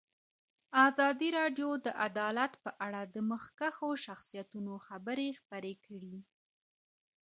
ازادي راډیو د عدالت په اړه د مخکښو شخصیتونو خبرې خپرې کړي.